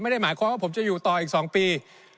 ไม่ได้หมายความว่าผมจะอยู่ต่ออีก๒ปี